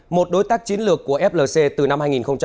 một đối tác chiến lược của flc từ năm hai nghìn một mươi